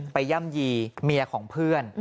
ย่ำยีเมียของเพื่อน